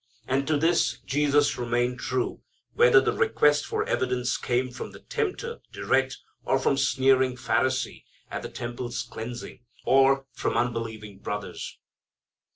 And to this Jesus remained true, whether the request for evidence came from the tempter direct, or from sneering Pharisee at the temple's cleansing, or from unbelieving brothers.